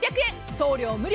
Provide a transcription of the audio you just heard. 送料無料。